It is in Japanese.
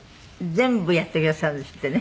全部やってくださるんですってね。